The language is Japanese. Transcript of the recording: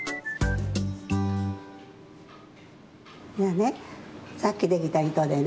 じゃあねさっきできたいとでね